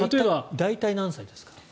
大体、何歳ですか？